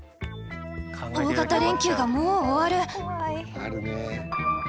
大型連休がもう終わる。